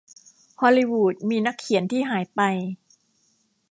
ฮอลลีวูดมีนักเขียนที่หายไป